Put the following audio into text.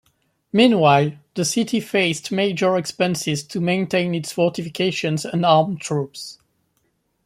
Meanwhile, the city faced major expenses to maintain its fortifications and armed troops.